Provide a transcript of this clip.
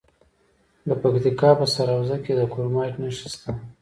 د پکتیکا په سروضه کې د کرومایټ نښې شته.